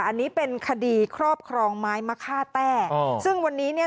อันนี้เป็นคดีครอบครองไม้มะค่าแต้ซึ่งวันนี้เนี่ย